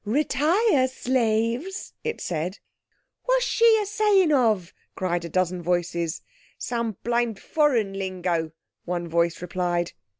"Retire, slaves!" it said. "What's she a saying of?" cried a dozen voices. "Some blamed foreign lingo," one voice replied.